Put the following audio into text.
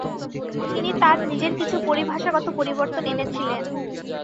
তিনি তাঁর নিজের কিছু পরিভাষাগত পরিবর্তন এনে ছিলেন।